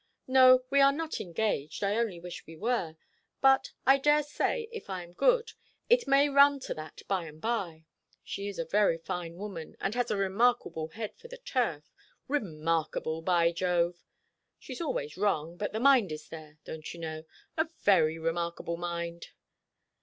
"No, we are not engaged. I only wish we were; but I daresay, if I am good, it may run to that by and by. She is a very fine woman, and has a remarkable head for the turf remarkable, by Jove! She's always wrong; but the mind is there, don't you know, a very remarkable mind.